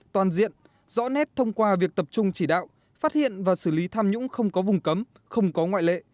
toàn diện rõ nét thông qua việc tập trung chỉ đạo phát hiện và xử lý tham nhũng không có vùng cấm không có ngoại lệ